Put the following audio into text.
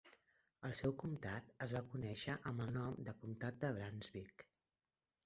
El seu comtat es va conèixer amb el nom de Comtat de Brunswick.